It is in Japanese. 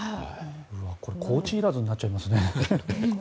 コーチいらずになっちゃいますね。